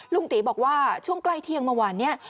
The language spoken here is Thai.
ลุงตีบอกว่าช่วงใกล้เที่ยงเมื่อวานนี้